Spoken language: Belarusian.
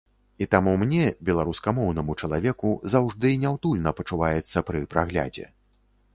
І таму мне, беларускамоўнаму чалавеку, заўжды няўтульна пачуваецца пры праглядзе.